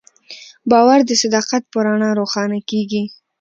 باور د صداقت په رڼا روښانه کېږي.